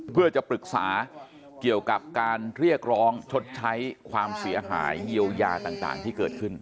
เพื่อจะปรึกษาเกี่ยวกับการเรียกร้องชดใช้ความเสียหายเยียวยาต่างที่เกิดขึ้น